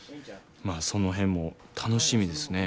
まあその辺も楽しみですね。